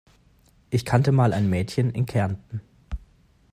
Ich kannte mal ein Mädchen in Kärnten.